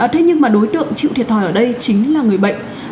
thế nhưng mà đối tượng chịu thiệt thòi ở đây chính là người bệnh